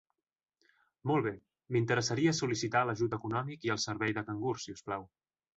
Molt bé, m'interessaria sol·licitar l'ajut econòmic i el servei de cangur si us plau.